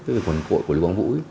với quần cội của lưu quang vũ